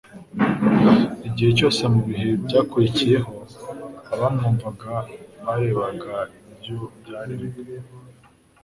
igihe cyose, mu bihe byakurikiyeho, abamwumvaga barebaga ibyo byaremwe,